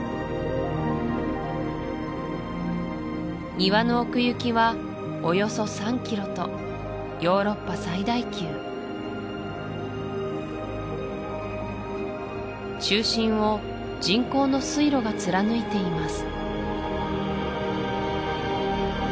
庭の奥行きはおよそ３キロとヨーロッパ最大級中心を人工の水路が貫いています